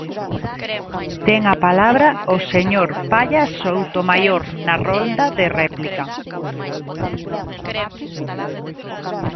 Ten a palabra o señor Palla Soutomaior na rolda de réplica.